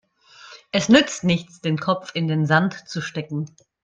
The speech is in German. Es nützt nichts, den Kopf in den Sand zu stecken.